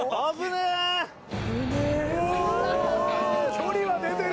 距離は出てる！